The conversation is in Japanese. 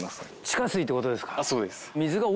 地下水って事ですか？